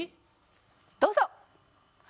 どうぞ。